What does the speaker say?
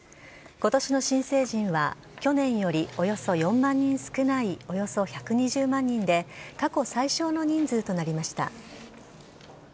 ことしの新成人は、去年よりおよそ４万人少ない、およそ１２０万人で、過去最少の人数となりました。